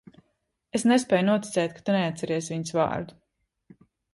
Es nespēju noticēt, ka tu neatceries viņas vārdu.